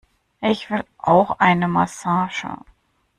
Ich will auch eine Massage!